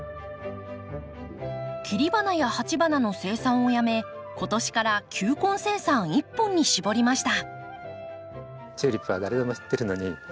切り花や鉢花の生産をやめ今年から球根生産一本に絞りました。